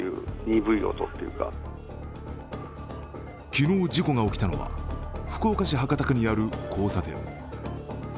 昨日事故が起きたのは、福岡市博多区にある交差点。